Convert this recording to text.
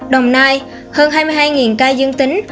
đồng nai hơn hai mươi hai ca dương tính